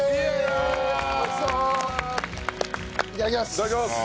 いただきます！